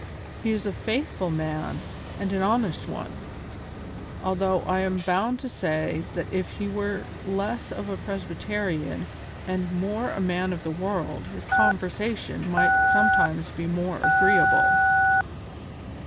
He is a faithful man and an honest one, although I am bound to say that if he were less of a Presbyterian and more of a man of the world his conversation might sometimes be more agreeable."